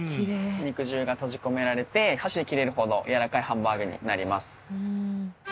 肉汁が閉じ込められて箸で切れるほどやわらかいハンバーグになります。